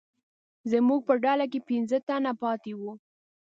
زموږ په ډله کې پنځه تنه پاتې وو.